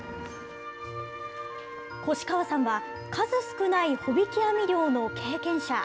越川さんは数少ない帆引き網漁の経験者。